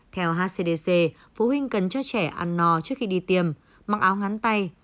theo hcdc phụ huynh cần cho trẻ ăn no trước khi đi tiêm mặc áo ngắn tay